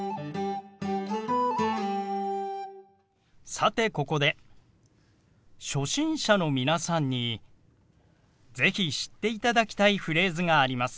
さてここで初心者の皆さんに是非知っていただきたいフレーズがあります。